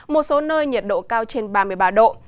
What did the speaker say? một số nơi nhiệt độ cao trên ba mươi ba độ